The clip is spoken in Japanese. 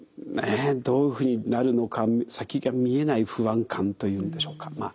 どういうふうになるのか先が見えない不安感というんでしょうか。